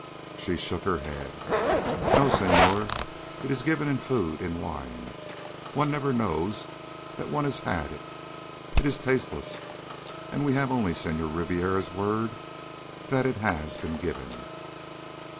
She shook her head. "No, Senhor. It is given in food, in wine. One never knows that one has had it. It is tasteless, and we have only Senhor Ribiera's word that it has been given."